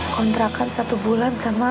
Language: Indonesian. kontrakan satu bulan sama